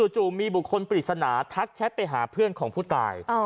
จู่มีบุคคลปริศนาทักแชทไปหาเพื่อนของผู้ตาย